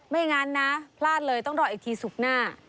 ไม่งั้นนะพลาดเลยต้องรออีกทีศุกร์หน้า